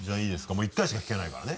もう１回しか聞けないからね。